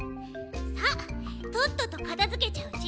さあとっととかたづけちゃうち。